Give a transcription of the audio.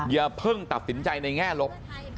อย่าเพิ่งตัดสินใจในแง่ลบ